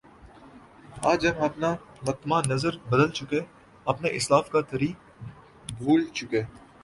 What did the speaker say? آج جب ہم اپنا مطمع نظر بدل چکے اپنے اسلاف کے طریق بھول چکے